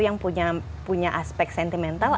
yang punya aspek sentimental